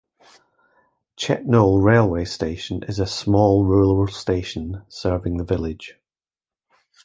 Chetnole Railway Station is a small rural station serving the village.